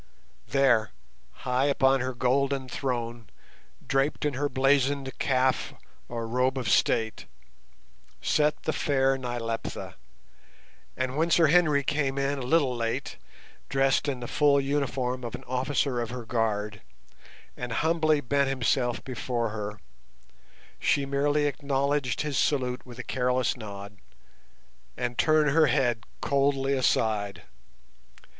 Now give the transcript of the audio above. There, high upon her golden throne, draped in her blazoned "kaf" or robe of state, sat the fair Nyleptha, and when Sir Henry came in a little late, dressed in the full uniform of an officer of her guard and humbly bent himself before her, she merely acknowledged his salute with a careless nod and turned her head coldly aside.